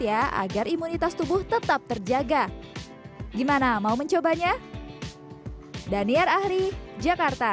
ya agar imunitas tubuh tetap terjaga gimana mau mencobanya dan dhaniara hari jakarta